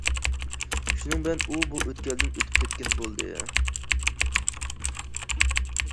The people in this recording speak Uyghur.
شۇنىڭ بىلەن ئۇ بۇ ئۆتكەلدىن ئۆتۈپ كەتكەن بولدى.